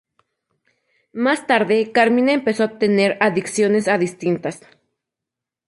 Más tarde Carmina empezó a tener adicciones a distintas